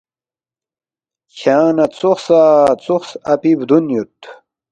”کھیانگ نہ ژوخسا ژوخ اپی بُدون یود